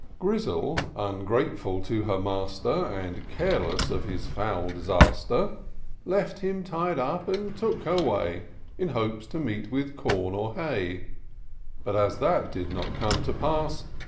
Grizzle, ungrateful to her master, And careless of his foul disaster. Left him tied up, and took her way, In hopes to meet with com or hay ; But, as that did not come to pass.